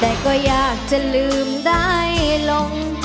แต่ก็อยากจะลืมได้ลง